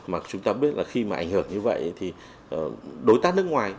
mà chúng ta biết là khi mà ảnh hưởng như vậy thì đối tác nước ngoài